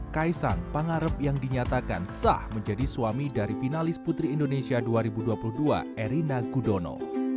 kaisang pangarep yang dinyatakan sah menjadi suami dari finalis putri indonesia dua ribu dua puluh dua erina gudono